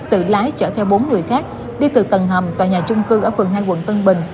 tự lái chở theo bốn người khác đi từ tầng hầm tòa nhà trung cư ở phường hai quận tân bình